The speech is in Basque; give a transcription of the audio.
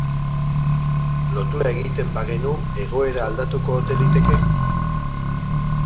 Lotura egiten bagenu egoera aldatuko ote liteke?